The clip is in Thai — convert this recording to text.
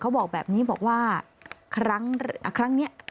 บอกแบบนี้บอกว่าครั้งนี้